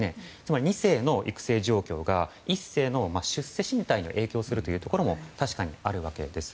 ２世の育成状況が１世の出世進退にも影響することが確かにあるわけです。